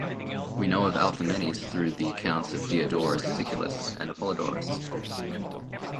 We know of Althaemenes through the accounts of Diodorus Siculus and Apollodorus.